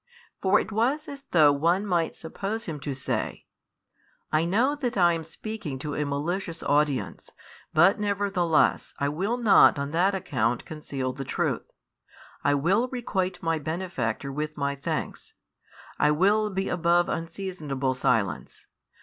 For it was as though one might suppose him to say: I know that I am speaking to a malicious audience, but nevertheless I will not on that account conceal the truth. I will requite my Benefactor with my thanks; I will be above unseasonable silence.